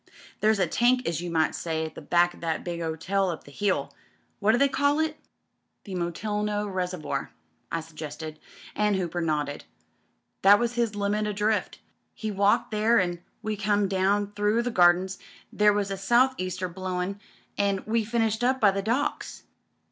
There's a tank as you might say at the back o' that big hotel up the hill — ^what do they call it ?" "The Molteno Reservoir," I suggested, and Hooper nodded. "That was his limit o' drift. We walked there an' we come down through the Gardens — ^there was a South Easter blowin' — ^an' we finished up by the Docks.